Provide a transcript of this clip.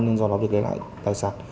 nên do đó được lấy lại tài sản